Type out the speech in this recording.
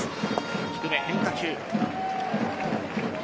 低め変化球。